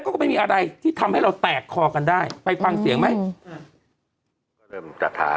ก็ไม่มีอะไรที่ทำให้เราแตกคอกันได้ไปฟังเสียงไหม